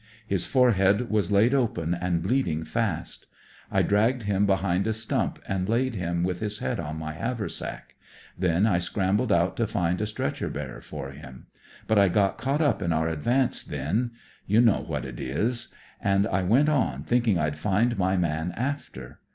His forehead was laid open and bleeding fast. I dragged him behind a stump and laid liim with his head on my haversack. Then I scrambled out to find a stretcher bearer for him. But I got caught up in our advance then. You know what it is. And I went on, thinking I'd find my man after.